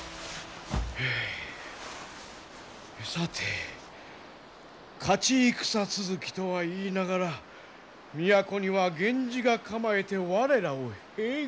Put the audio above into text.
さて勝ち戦続きとは言いながら都には源氏が構えて我らを睥睨しておる。